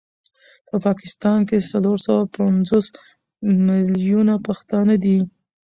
په پاکستان کي څلور سوه پنځوس مليونه پښتانه دي